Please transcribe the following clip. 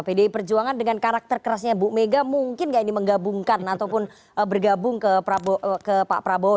pdi perjuangan dengan karakter kerasnya bu mega mungkin nggak ini menggabungkan ataupun bergabung ke pak prabowo